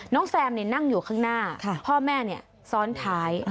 น้องแซมเนี่ยนั่งอยู่ข้างหน้าพ่อแม่เนี่ยซ้อนท้าย